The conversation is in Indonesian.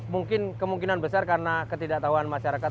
mungkin kemungkinan besar karena ketidaktahuan masyarakat